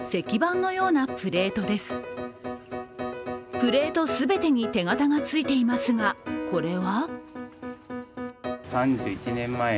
プレート全てに手形がついていますがこれは？